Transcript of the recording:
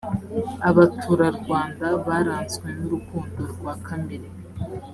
abaturarwanda baranzwe nurukundo rwakamere